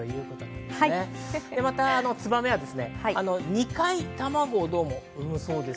またツバメは２回卵を産むそうです。